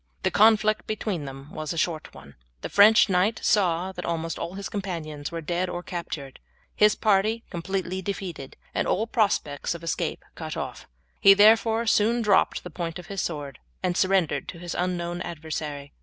The conflict between them was a short one. The French knight saw that almost all his companions were dead or captured, his party completely defeated, and all prospects of escape cut off. He therefore soon dropped the point of his sword and surrendered to his unknown adversary.